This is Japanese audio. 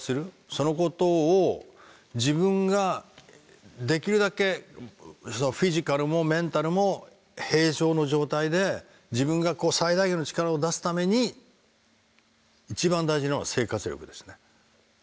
そのことを自分ができるだけフィジカルもメンタルも平常の状態で自分が最大限の力を出すために一番大事なのは生活力ですね。